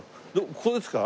ここですか？